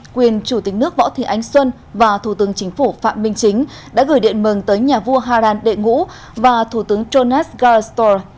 quyền chủ tịch nước võ thị ánh xuân và thủ tướng chính phủ phạm minh chính đã gửi điện mừng tới nhà vua haran đệ ngũ và thủ tướng jonas garestor